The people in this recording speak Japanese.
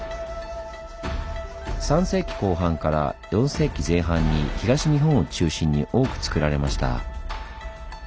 ３世紀後半から４世紀前半に東日本を中心に多くつくられました。